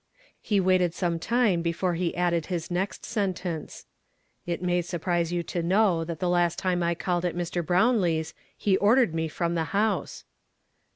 He waited some time before he added his next sentence. " It may surprise you to know that the last time I called at Mr. Brownlee's, he ordered me from the house."